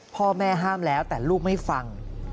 พ่อแม่ห้ามแล้วแต่ลูกไม่ฟัง